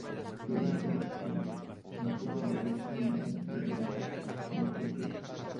Conviene que no sea siempre el mismo para mantener la motivación del grupo.